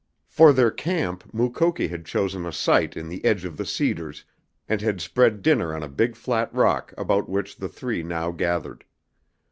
For their camp Mukoki had chosen a site in the edge of the cedars, and had spread dinner on a big flat rock about which the three now gathered.